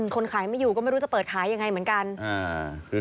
คนขายไม่อยู่ก็ไม่รู้จะเปิดขายยังไงเหมือนกัน